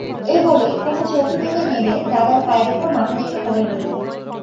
এই বলেই কুমু চৌকি থেকে নেবে দাদার পায়ের উপর মাথা রেখে পড়ে রইল।